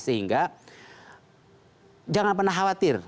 sehingga jangan pernah khawatir